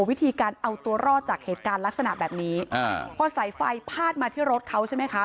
วิธีการเอาตัวรอดจากเหตุการณ์ลักษณะแบบนี้อ่าพอสายไฟพาดมาที่รถเขาใช่ไหมคะ